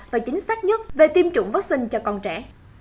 và chính xác nhất về tiêm chủng vaccine cho con trẻ